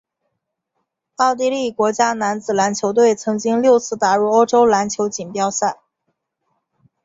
奥地利国家男子篮球队曾经六次打入欧洲篮球锦标赛。